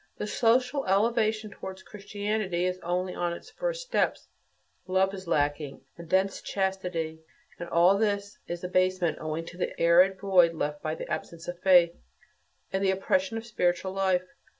The social elevation towards Christianity is only on its first steps. Love is lacking, and thence chastity; and all this is absent owing to the arid void left by the absence of faith, and the oppression of spiritual life.